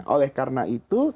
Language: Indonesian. oleh karena itu